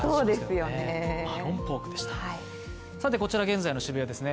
こちら現在の渋谷ですね。